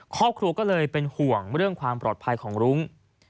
ครอบครัวก็เลยเป็นห่วงเรื่องความปลอดภัยของรุ้ง